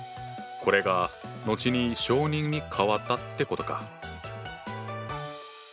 これが後に小人に変わったってことか。